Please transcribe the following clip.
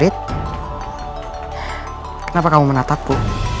rai kenapa kamu menatapku